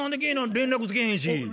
連絡つけへんし。